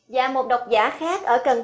và một đọc giả khác ở cần tây